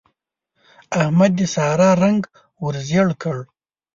احمد د سارا رنګ ور ژړ کړ.